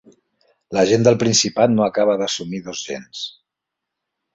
La gent del principat no acaba d'assumir dos gens.